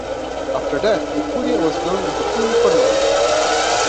After that the Curia was known as the Curia Cornelia.